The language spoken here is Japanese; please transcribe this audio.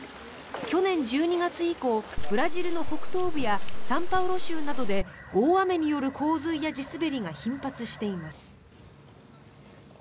去年１２月以降ブラジルの北東部やサンパウロ州などで大雨による洪水や地滑りが頻発しています。